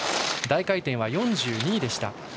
大回転は４２位でした。